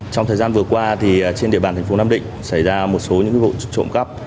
trong thời gian vừa qua trên địa bàn thành phố nam định xảy ra một số những vụ trộm cắp